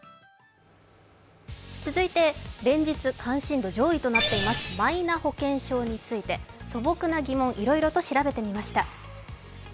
続いて、連日関心度上位となっています、マイナ保険証について素朴な議論、いろいろと調べてみました。